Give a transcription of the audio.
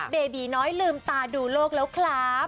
เบบีน้อยลืมตาดูโลกแล้วครับ